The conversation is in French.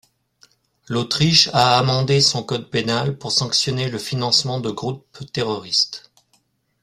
L'Autriche a amendé son Code pénal pour sanctionner le financement de groupes terroristes.